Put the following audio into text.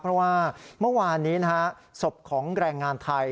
เพราะว่าเมื่อวานนี้นะฮะศพของแรงงานไทย